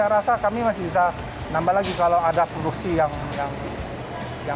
saya rasa kami masih bisa nambah lagi kalau ada produksi yang